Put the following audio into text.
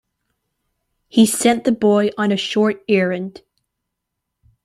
He sent the boy on a short errand.